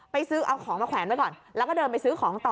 ซื้อเอาของมาแขวนไว้ก่อนแล้วก็เดินไปซื้อของต่อ